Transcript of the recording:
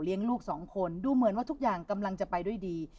ลูกสองคนดูเหมือนว่าทุกอย่างกำลังจะไปด้วยดี